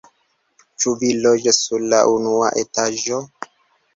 Ĉu vi loĝas sur la unua etaĝo?